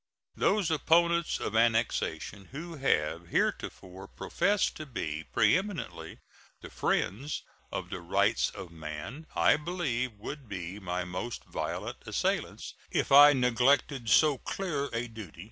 Those opponents of annexation who have heretofore professed to be preeminently the friends of the rights of man I believed would be my most violent assailants if I neglected so clear a duty.